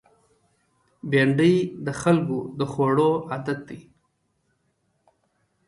بېنډۍ د خلکو د خوړو عادت دی